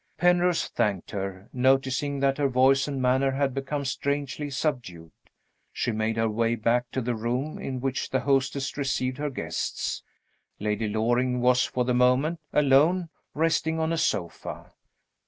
Penrose thanked her, noticing that her voice and manner had become strangely subdued. She made her way back to the room in which the hostess received her guests. Lady Loring was, for the moment, alone, resting on a sofa.